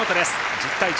１０対１０。